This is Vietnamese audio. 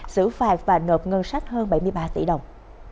xử phạt và nộp ngân sách hơn bảy mươi ba tỷ đồng